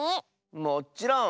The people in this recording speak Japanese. もっちろん！